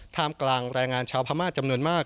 ท่ามกลางแรงงานชาวพม่าจำนวนมาก